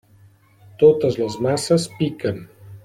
Totes les masses piquen.